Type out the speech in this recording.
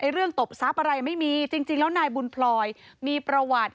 เรื่องตบทรัพย์อะไรไม่มีจริงแล้วนายบุญพลอยมีประวัติ